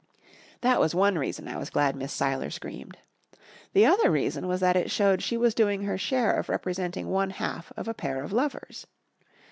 That was one reason I was glad Miss Seiler screamed. The other reason was that it showed she was doing her share of representing one half of a pair of lovers.